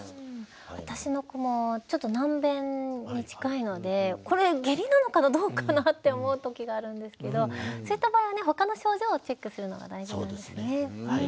私の子もちょっと軟便に近いのでこれ下痢なのかなどうかなって思う時があるんですけどそういった場合は他の症状をチェックするのが大事なんですね。